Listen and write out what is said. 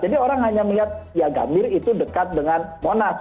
jadi orang hanya melihat ya gambir itu dekat dengan monas